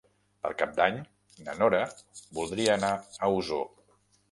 Per Cap d'Any na Nora voldria anar a Osor.